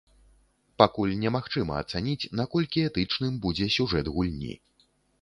Пакуль немагчыма ацаніць, наколькі этычным будзе сюжэт гульні.